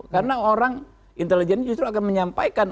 karena orang intelijen justru akan menyampaikan